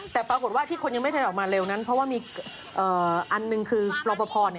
แต่ปรากฏว่าที่คนยังไม่ทันออกมาเร็วนั้นเพราะว่ามีอันหนึ่งคือรอปภ